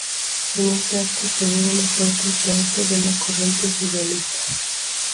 En ese acto se ve una fuerte influencia de la corriente surrealista.